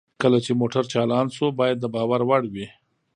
کله چې موټر چالان شو باید د باور وړ وي